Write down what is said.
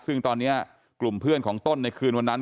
ซึ่งตอนนี้กลุ่มเพื่อนของต้นในคืนวันนั้น